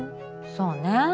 そうねえ。